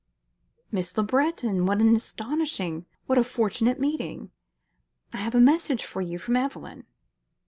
"Miss Le Breton! What an astonishing, what a fortunate meeting! I have a message for you from Evelyn."